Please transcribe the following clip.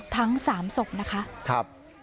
ทั้ง๓ศพนะคะ